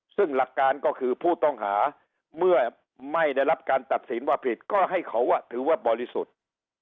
ซึ่งหลักการก็คือผู้ต้องหาเมื่อไม่ได้รับการตัดสินว่าผิดก็ให้เขาถือว่าบริสุทธิ์